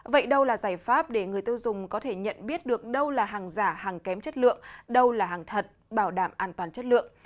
vậy đâu là giải pháp để người tiêu dùng có thể nhận biết được đâu là hàng giả hàng kém chất lượng đâu là hàng thật bảo đảm an toàn chất lượng